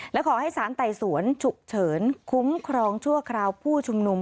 และขอให้สารไต่สวนฉุกเฉินคุ้มครองชั่วคราวผู้ชุมนุม